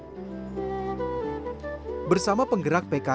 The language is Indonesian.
som yhte perseraan dalam deng lo february m gus dasar indonesia